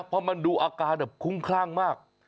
เพราะมันดูอาการแบบคุ้มคลั่งมาก